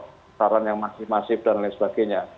dengan pasaran yang masih masif dan lain sebagainya